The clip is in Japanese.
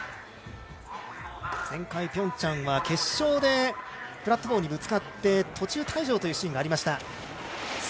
前回ピョンチャンは決勝でプラットフォームにぶつかって途中退場というシーンがありました。